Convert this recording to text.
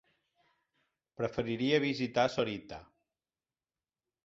Preferiria visitar Sorita.